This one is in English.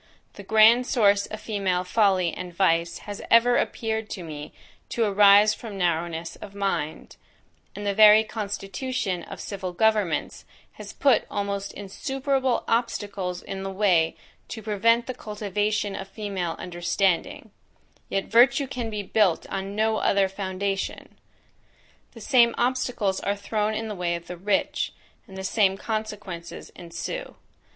The grand source of female folly and vice has ever appeared to me to arise from narrowness of mind; and the very constitution of civil governments has put almost insuperable obstacles in the way to prevent the cultivation of the female understanding: yet virtue can be built on no other foundation! The same obstacles are thrown in the way of the rich, and the same consequences ensue.